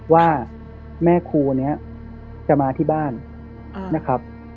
ว่าแม่ครูนี้จะมาที่บ้านนะครับ